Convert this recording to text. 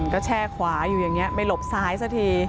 ก็แช่ขวาอยู่อย่างนี้ไม่หลบซ้ายสักที